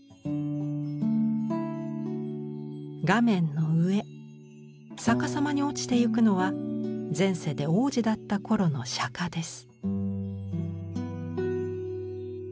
画面の上逆さまに落ちていくのは前世で王子だった頃の釈です。